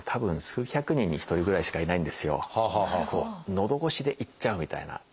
のどごしでいっちゃうみたいな。